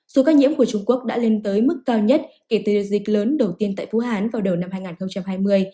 số ca nhiễm của trung quốc đã lên tới mức cao nhất kể từ đợt dịch lớn đầu tiên tại vũ hán vào đầu năm hai nghìn hai mươi